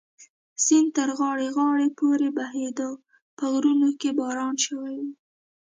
سیند تر غاړې غاړې پورې بهېده، په غرونو کې باران شوی و.